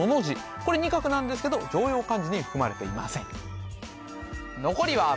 これ２画なんですけど常用漢字に含まれていません